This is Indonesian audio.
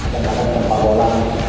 ada kata kata pak bola